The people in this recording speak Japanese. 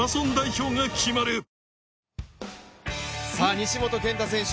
西本拳太選手